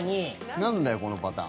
なんだよ、このパターン。